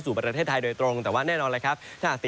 สู่ประเทศไทยโดยตรงแต่ว่าแน่นอนไหลครับถ้าหากติดตาม